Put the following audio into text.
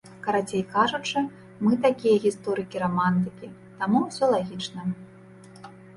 Карацей кажучы, мы такія гісторыкі-рамантыкі, таму ўсё лагічна.